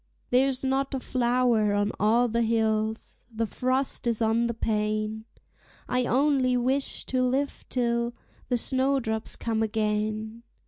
There's not a flower on all the hills, the frost is on the pane; I only wish to live till the snowdrops come again.